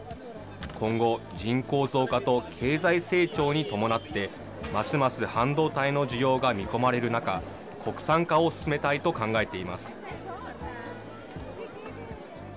今後、人口増加と経済成長に伴って、ますます半導体の需要が見込まれる中、国産化を進めたいと考えています。